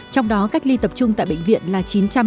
trong đó cách ly tập trung tại bệnh viện là chín trăm năm mươi ba